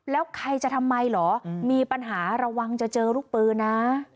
แล้วใครจะทำไมเหรอมีปัญหาระวังจะเจอลูกปืนนะ